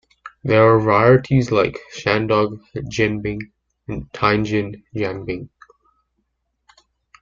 There are varieties like Shandong Jianbing and Tianjin Jianbing.